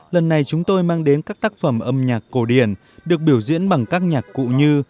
lần này chúng tôi mang đến các tác phẩm âm nhạc cổ điển được biểu diễn bằng các nhạc cụ như